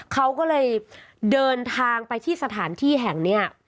เขาก็เลยเดินทางไปที่สถานที่แห่งนี้